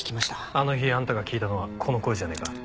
あの日あんたが聞いたのはこの声じゃねえか？